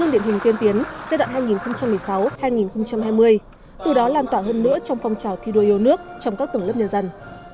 hướng điện hình tiên tiến giai đoạn hai nghìn một mươi sáu hai nghìn hai mươi từ đó lan tỏa hơn nữa trong phong trào thi đua yêu nước trong các tưởng lớp nhân dân